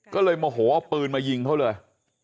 ก็เลยโมโหเอาปืนมายิงเขาเลย